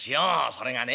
それがね